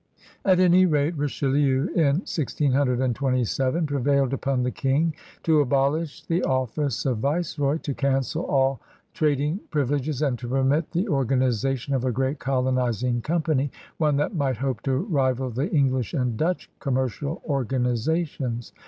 At any rate Richelieu in 1627 prevailed upon the King to abolish the ofBce of viceroy, to cancel all trading privileges, and to permit the organi zation of a great colonizing company, one that might hope to rival the English and Dutch com mercial organizations.